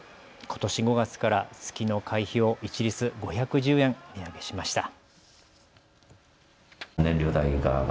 ことし５月から月の会費を一律５１０円値上げしました。